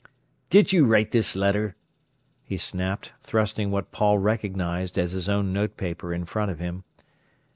"Did you write this letter?" he snapped, thrusting what Paul recognised as his own notepaper in front of him.